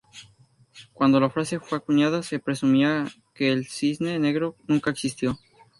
Cuando la frase fue acuñada, se presumía que el cisne negro nunca existió.